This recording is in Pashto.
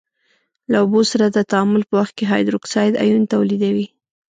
له اوبو سره د تعامل په وخت کې هایدروکساید آیون تولیدوي.